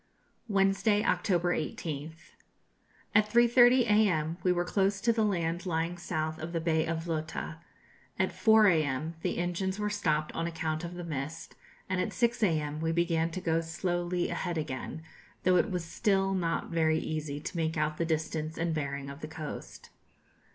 _ Wednesday, October 18th. At 3.30 a.m. we were close to the land lying south of the Bay of Lota; at 4 a.m. the engines were stopped on account of the mist; and at 6 a.m. we began to go slowly ahead again, though it was still not very easy to make out the distance and bearing of the coast.